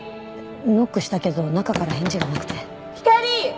ノックしたけど中から返事がなくて。